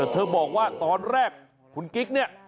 เธอบอกว่าตอนแรกคุณกิ๊กเนี่ย